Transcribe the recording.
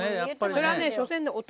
それはね。